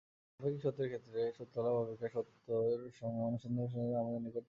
আপেক্ষিক সত্যের ক্ষেত্রেও সত্যলাভ অপেক্ষা সত্যের অনুসন্ধিৎসাই আমাদের নিকট প্রয়োজন।